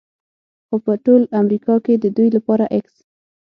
خو په ټول امریکا کې د دوی لپاره x